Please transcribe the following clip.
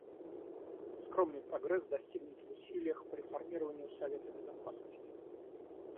Скромный прогресс достигнут в усилиях по реформированию Совета Безопасности.